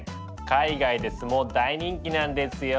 海外で相撲大人気なんですよ！